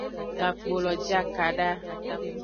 Gakpolo je akada.